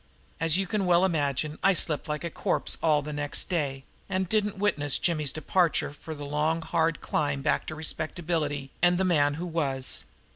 As you can well imagine I slept like a corpse all the next day and didn't witness Jimmy's departure for his long hard climb back to respectability and the man who was.